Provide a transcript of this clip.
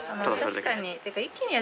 確かに。